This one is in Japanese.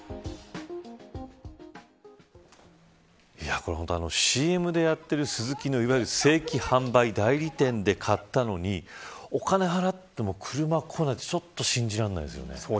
これ、ほんとにＣＭでやっているスズキのいわゆる正規販売店で買ったのにお金、払っても車がこないってちょっと信じられないですね。